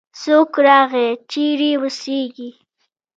څوک راغی؟ چیرې اوسیږې؟